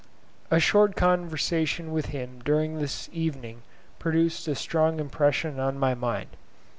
A short conversation with him during this evening produced a strong impression on my mind.